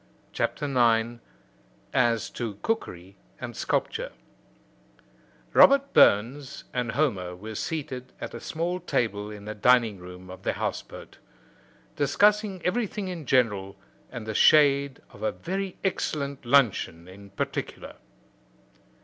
CHAPTER IX: AS TO COOKERY AND SCULPTURE Robert Burns and Homer were seated at a small table in the dining room of the house boat, discussing everything in general and the shade of a very excellent luncheon in particular.